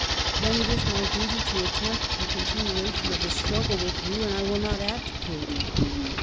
" Then it is my duty to attempt the continuation of the struggle with you, and I will not abdicate."